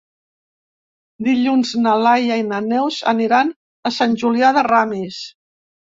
Dilluns na Laia i na Neus aniran a Sant Julià de Ramis.